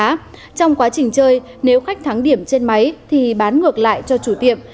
trong quá trình chơi nếu khách thắng điểm trên máy thì bán ngược lại cho chủ tiệm